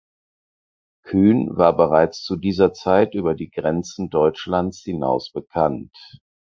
Kühn war bereits zu dieser Zeit über die Grenzen Deutschlands hinaus bekannt.